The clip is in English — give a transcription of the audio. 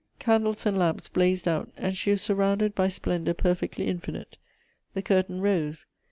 Candles and lamps blazed out, and she was surrounded by splendor perfectly infinite. The curtain rose.